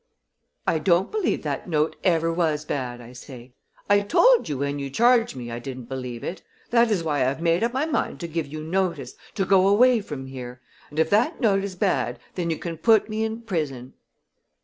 "'I don't believe that note ever was bad!' I say. 'I told you when you charged me I didn't believe it. That is why I have made up my mind to give you notice, to go away from here. And if that note is bad then you can put me in prison.'